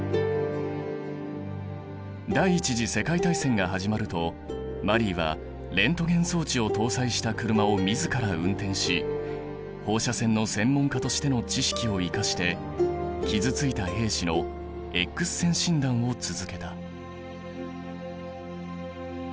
第一次世界大戦が始まるとマリーはレントゲン装置を搭載した車を自ら運転し放射線の専門家としての知識を生かして傷ついた兵士のエックス線診断を続けた。